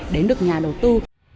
đến được nhà đầu tư